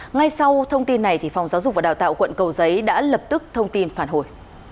ngay sau thông tin này phòng giáo dục và đào tạo quận cầu giấy đã lập tức thông tin phản hồi